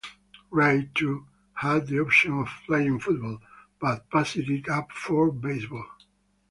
Ray, too, had the option of playing football, but passed it up for baseball.